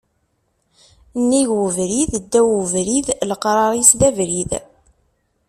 Nnig ubrid, ddaw ubrid, leqrar-is d abrid